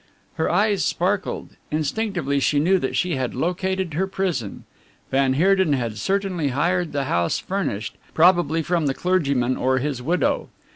Her eyes sparkled. Instinctively she knew that she had located her prison. Van Heerden had certainly hired the house furnished, probably from the clergyman or his widow.